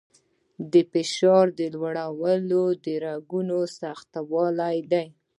د فشار لوړوالی د رګونو سختوالي دی.